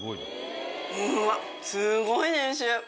うわっすごい年収。